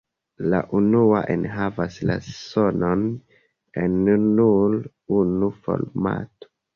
La unua enhavas la sonon en nur unu formato.